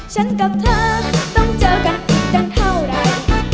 ฉันกับเธอต้องเจอกันอีกตั้งเท่าไหร่